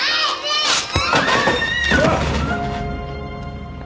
おい！